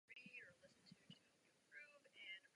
Pochován byl v kapucínské kryptě ve Vídni.